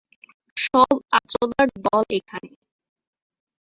সব আচোদার দল এখানে।